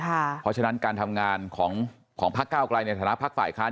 เพราะฉะนั้นการทำงานของพักเก้าไกลในฐานะพักฝ่ายค้าน